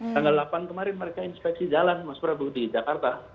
tanggal delapan kemarin mereka inspeksi jalan mas prabu di jakarta